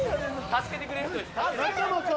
助けてくれる人。